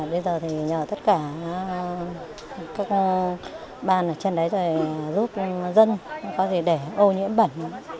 bây giờ thì nhờ tất cả các ban ở trên đấy giúp dân có thể để ô nhiễm bẩn